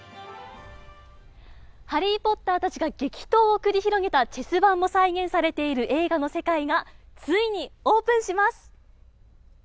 ハリー・ポッターたちが激闘を繰り広げたチェス盤も再現されている映画の世界が、ついにオープンします。